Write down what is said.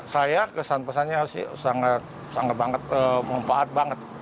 saya kesan pesannya sih sangat sangat banget mempaat banget